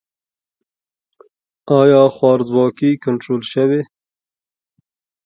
آیا خوارځواکي کنټرول شوې؟